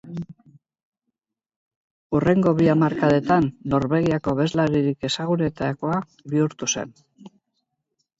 Hurrengo bi hamarkadetan Norvegiako abeslaririk ezagunenetakoa bihurtu zen.